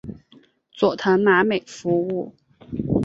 佐藤麻美服务。